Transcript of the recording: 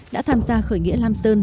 đã tham gia khởi nghĩa lam sơn